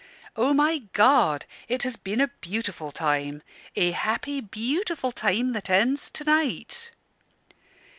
Oh, my God! it has been a beautiful time a happy beautiful time that ends to night!"